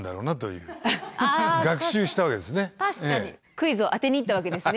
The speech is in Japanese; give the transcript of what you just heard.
クイズを当てにいったわけですね。